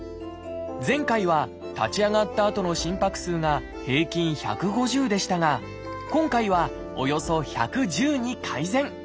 前回は立ち上がったあとの心拍数が平均１５０でしたが今回はおよそ１１０に改善。